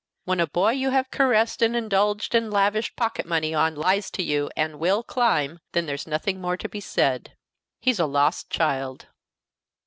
When a boy you have caressed and indulged and lavished pocket money on lies to you and will climb, then there's nothing more to be said. He's a lost child."